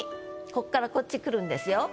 こっからこっちくるんですよ。